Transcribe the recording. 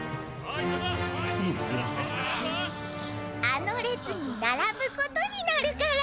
あの列にならぶことになるから。